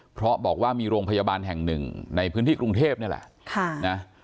เพราะบอกว่ามีโรงพยาบาลแห่งหนึ่งในพื้นที่กรุงเทพนี่แหละ